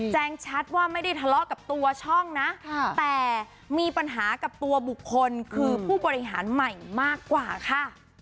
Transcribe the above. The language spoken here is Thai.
แจ้งชัดว่าไม่ได้ทะเลาะกับตัวช่องนะแต่มีปัญหากับตัวบุคคลคือผู้บริหารใหม่มากกว่าค่ะ